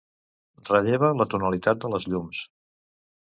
Relleva la tonalitat de les llums.